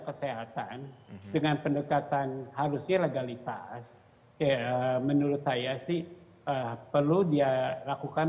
kesehatan dengan pendekatan harusnya legalitas menurut saya sih perlu dia lakukan